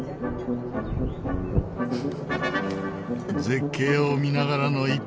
絶景を見ながらの１杯。